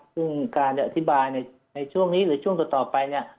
ซึ่งการอธิบายในช่วงนี้หรือช่วงต่อไปเนี่ย